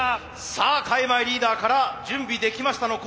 さあ開米リーダーから「準備できました」の声。